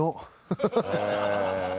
ハハハハ！